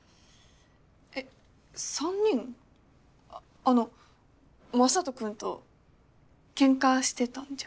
えっ３人？あの雅人君とケンカしてたんじゃ。